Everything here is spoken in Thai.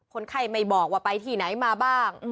คนไข้ไม่บอกว่าไปที่ไหนมาบ้าง